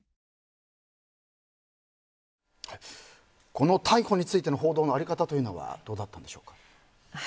この逮捕についての報道の在り方というのはどうだったのでしょうか？